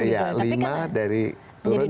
iya lima dari turun dua lima